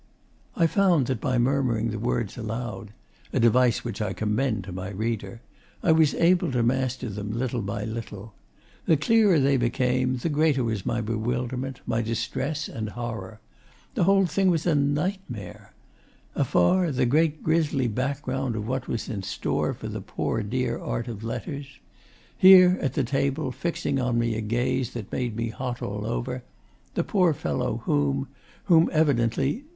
I found that by murmuring the words aloud (a device which I commend to my reader) I was able to master them, little by little. The clearer they became, the greater was my bewilderment, my distress and horror. The whole thing was a nightmare. Afar, the great grisly background of what was in store for the poor dear art of letters; here, at the table, fixing on me a gaze that made me hot all over, the poor fellow whom whom evidently...